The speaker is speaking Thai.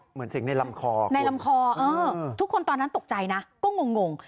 เหมือนเสียงในลำคอในลำคอทุกคนตอนนั้นตกใจนะก็งง